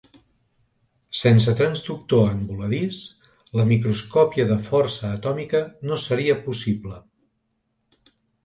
Sense transductor en voladís, la microscòpia de força atòmica no seria possible.